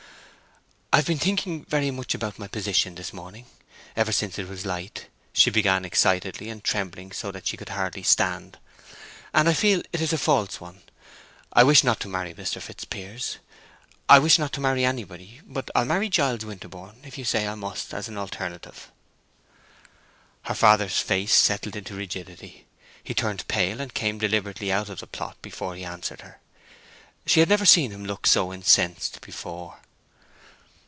"I have been thinking very much about my position this morning—ever since it was light," she began, excitedly, and trembling so that she could hardly stand. "And I feel it is a false one. I wish not to marry Mr. Fitzpiers. I wish not to marry anybody; but I'll marry Giles Winterborne if you say I must as an alternative." Her father's face settled into rigidity, he turned pale, and came deliberately out of the plot before he answered her. She had never seen him look so incensed before.